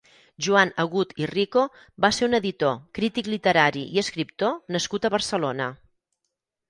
Joan Agut i Rico va ser un editor, crític literari i escriptor nascut a Barcelona.